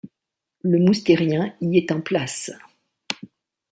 Le Moustérien y est en place.